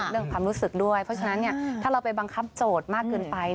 เรื่องความรู้สึกด้วยเพราะฉะนั้นถ้าเราไปบังคับโจทย์มากเกินไป